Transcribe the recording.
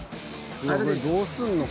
どうすんの？